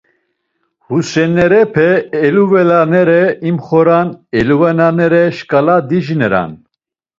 Husinerepe eluvelanere imxoran, eluvelanere şkala dicineran.